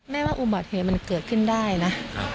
ว่าอุบัติเหตุมันเกิดขึ้นได้นะ